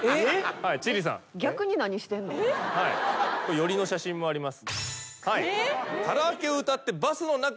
寄りの写真もあります。